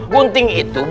gunting itu buat